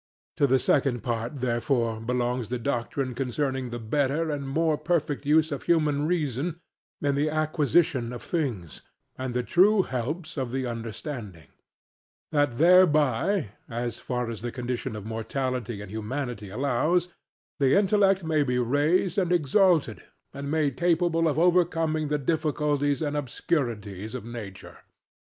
To the second part therefore belongs the doctrine concerning the better and more perfect use of human reason in the inquisition of things, and the true helps of the understanding: that thereby (as far as the condition of mortality and humanity allows) the intellect may be raised and exalted, and made capable of overcoming the difficulties and obscurities of nature.